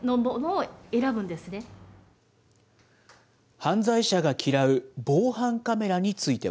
犯罪者が嫌う防犯カメラについては。